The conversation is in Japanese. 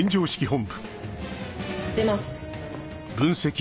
出ます。